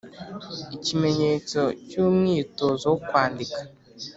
Ikimenyetso cy’umwitozo wo kwandika.